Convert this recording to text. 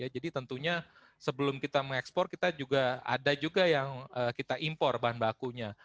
jadi tentunya sebelum kita mengekspor kita juga ada juga yang kita impor bahan bakunya